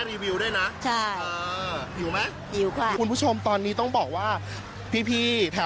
เดี๋ยวชิมเสร็จแม่รีวิวได้นะ